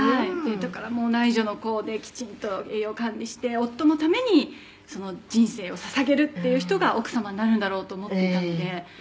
「だから内助の功できちんと栄養管理して夫のために人生を捧げるっていう人が奥様になるんだろうと思っていたので」